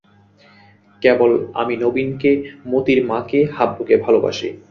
কেবল আমি নবীনকে, মোতির মাকে, হাবলুকে ভালোবাসি।